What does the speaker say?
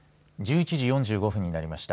１１時４５分になりました。